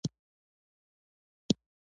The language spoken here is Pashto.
دماغ د بدن د تودوخې کنټرول کوي.